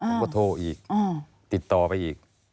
ผมก็โทรอีกติดต่อไปอีก